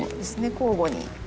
交互に。